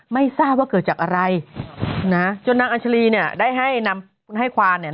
ไม่ทราบว่าเกิดจากอะไรนะจนนางอัญชรีเนี่ยได้ให้นำให้ควานเนี่ย